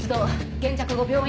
現着後病院